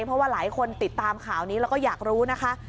เพราะว่าหลายคนติดตามข่าวนี้แล้วก็อยากรู้นะคะ